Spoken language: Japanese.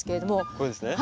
これですね。